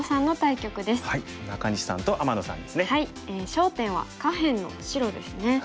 焦点は下辺の白ですね。